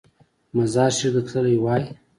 مزار شریف ته تللی وای.